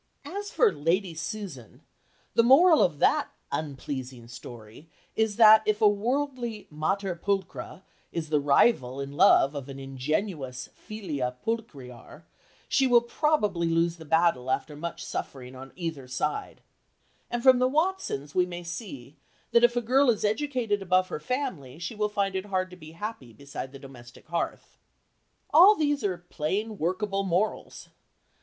As for Lady Susan, the moral of that unpleasing story is that if a worldly mater pulchra is the rival in love of an ingenuous filia pulchrior she will probably lose the battle after much suffering on either side; and from The Watsons we may see that if a girl is educated above her family she will find it hard to be happy beside the domestic hearth. All these are plain workable morals.